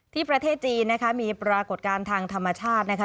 ประเทศจีนนะคะมีปรากฏการณ์ทางธรรมชาตินะคะ